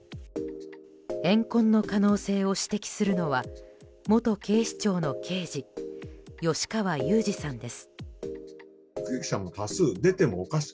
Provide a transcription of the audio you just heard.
怨恨の可能性を指摘するのは元警視庁の刑事吉川祐二さんです。